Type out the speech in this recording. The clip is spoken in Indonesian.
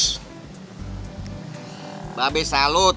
mba be salut